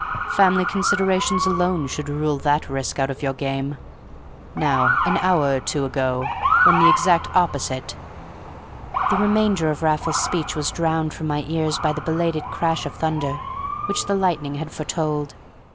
Family considerations alone should rule that risk out of your game. Now, an hour or two ago, when the exact opposite—" The remainder of Raffles's speech was drowned from my ears by the belated crash of thunder which the lightning had foretold.